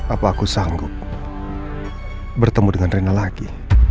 apa aku sanggup bertemu dengan rina lagi